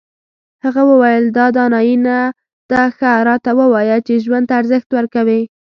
هغه وویل دا دانایي نه ده ښه راته ووایه چې ژوند ته ارزښت ورکوې.